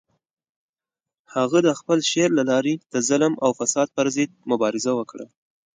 هغه د خپل شعر له لارې د ظلم او فساد پر ضد مبارزه وکړه.